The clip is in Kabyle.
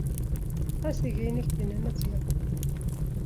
Ɣas eg ayen ay ak-d-nnan ad t-tged.